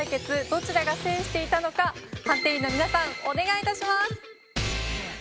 どちらが制していたのか判定員の皆さんお願いいたします。